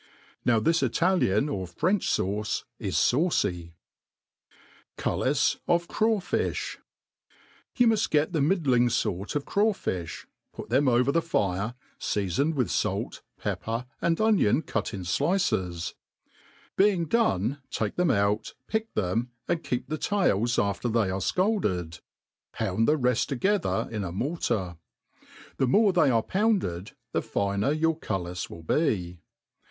Now this Italian or French fauce, is faucy. Cullis of Craw Fijb* YOU muft get the middling fort of craw fifli, put.them ovar the fire, feafoned with fait, pepper, and onion cut in flices $ being done^ take then^ out, pick them, and keep the tails after they are fcalded, pound the reft together in a mortar ; the more they are pounded, the finer your cullis will be.